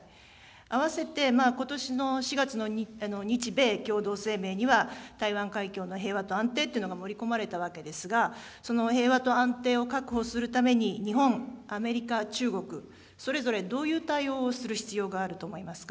併せて、ことしの４月の日米共同声明には、台湾海峡の平和と安定というのが盛り込まれたわけですが、その平和と安定を確保するために、日本、アメリカ、中国、それぞれどういう対応をする必要があると思いますか。